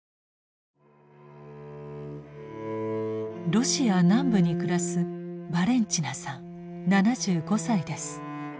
ロシア南部に暮らすバレンチナさん７５歳です。